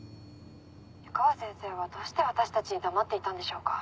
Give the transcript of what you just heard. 湯川先生はどうして私たちに黙っていたんでしょうか。